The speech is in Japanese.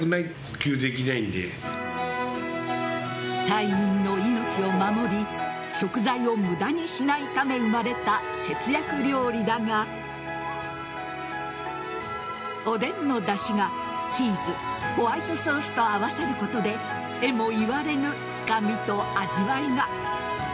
隊員の命を守り食材を無駄にしないために生まれた節約料理だがおでんのだしがチーズ、ホワイトソースと合わさることでえも言われぬ深みと味わいが。